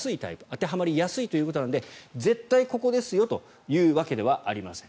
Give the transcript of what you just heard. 当てはまりやすいということなので絶対ここですよというわけではありません。